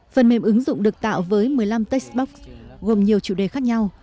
phần mềm ứng dụng được tạo với một mươi năm techsbox gồm nhiều chủ đề khác nhau